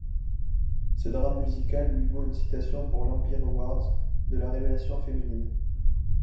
Ce drame musical lui vaut une citation pour l’Empire Awards de la révélation féminine.